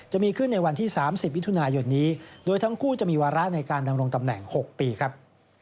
จะมีขึ้นในวันที่๓๐มิถุนายนนี้โดยทั้งคู่จะมีวาระในการดำรงตำแหน่ง๖ปีครับ